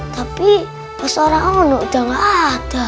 tapi pas orang unuk udah gak ada